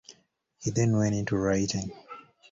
He then went into writing.